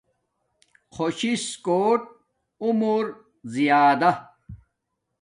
خوش سس کوٹ عمر زیادہ